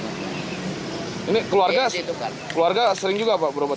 ini keluarga sering juga pak berobat